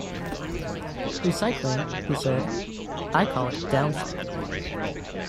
"Recycling, he said, "I call it downcycling.